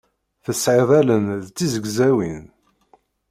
Tesɛiḍ allen d tizegzawin.